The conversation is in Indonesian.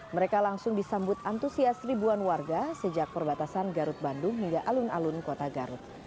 mereka langsung disambut antusias ribuan warga sejak perbatasan garut bandung hingga alun alun kota garut